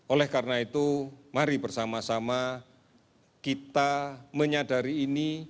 oleh karena itu mari bersama sama kita menyadari ini